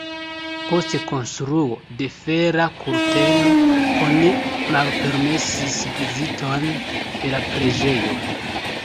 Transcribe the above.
Post konstruo de Fera kurteno oni malpermesis viziton de la preĝejo.